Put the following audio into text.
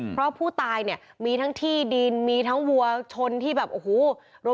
เพราะผู้ตายเนี่ยมีทั้งที่ดินมีทั้งวัวชนที่แบบโอ้โห